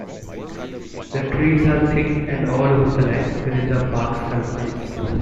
The trees are thick and all over the land within the park's confines.